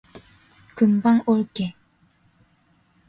금방 올게.